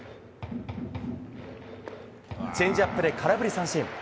チェンジアップで空振り三振。